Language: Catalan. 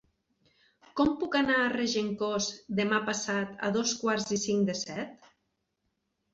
Com puc anar a Regencós demà passat a dos quarts i cinc de set?